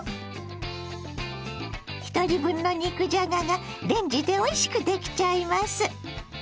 ひとり分の肉じゃががレンジでおいしくできちゃいます。